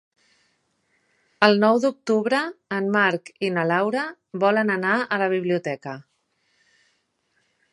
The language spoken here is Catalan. El nou d'octubre en Marc i na Laura volen anar a la biblioteca.